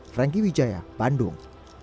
franky wijaya bandung